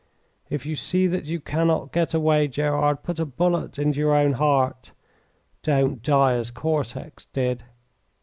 If you see that you cannot get away, Gerard, put a bullet into your own heart. Don't die as Cortex did."